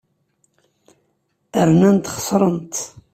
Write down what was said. Rnant xesrent.